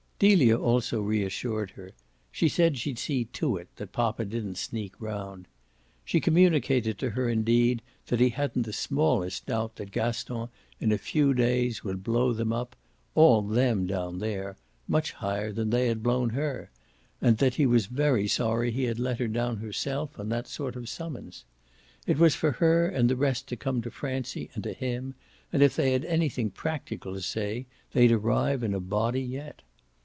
Delia also reassured her; she said she'd see to it that poppa didn't sneak round. She communicated to her indeed that he hadn't the smallest doubt that Gaston, in a few days, would blow them up all THEM down there much higher than they had blown her, and that he was very sorry he had let her go down herself on that sort of summons. It was for her and the rest to come to Francie and to him, and if they had anything practical to say they'd arrive in a body yet.